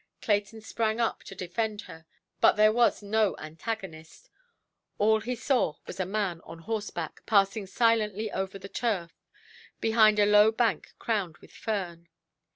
Clayton sprang up to defend her; but there was no antagonist. All he saw was a man on horseback, passing silently over the turf, behind a low bank crowned with fern.